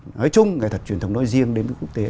nói chung nghệ thuật truyền thống nói riêng đến với quốc tế